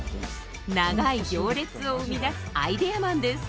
長い行列を生み出すアイデアマンです。